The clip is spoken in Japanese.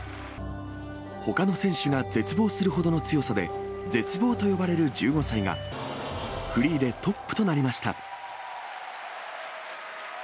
ほかの選手が絶望するほどの強さで、絶望と呼ばれる１５歳が、フリーでトップとなりました。